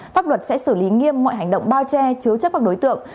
pháp luật sẽ xử lý nghiêm mọi hành động bao che chứa chấp các đối tượng